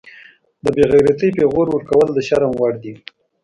د بیغیرتۍ پیغور ورکول د شرم وړ دي